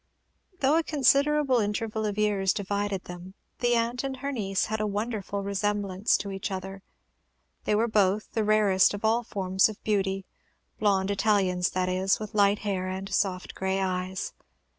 Though a considerable interval of years divided them, the aunt and her niece had a wonderful resemblance to each other. They were both the rarest of all forms of beauty blond Italians; that is, with light hair and soft gray eyes.